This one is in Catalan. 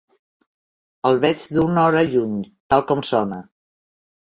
El veig d'una hora lluny, tal com sona.